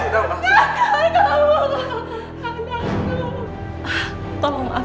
aku tidak akan menikah dengan anak anak kamu